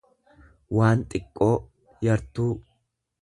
waan xiqqoo, yartuu.